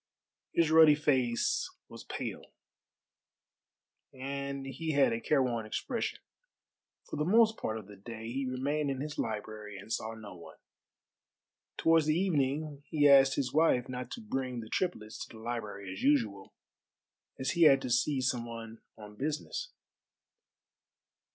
His ruddy face was pale, and he had a careworn expression. For the most part of the day he remained in his library and saw no one. Towards the evening he asked his wife not to bring the triplets to the library as usual, as he had to see some one on business.